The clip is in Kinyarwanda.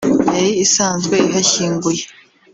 yari isanzwe ihashyinguye